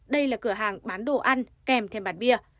đây là cửa hàng bán đồ ăn kèm thêm bàn bia